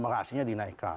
ya kan renomasinya dinaikkan